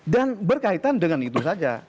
dan berkaitan dengan itu saja